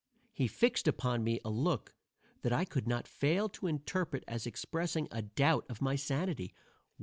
He fixed upon me a look that I could not fail to interpret as expressing a doubt of my sanity.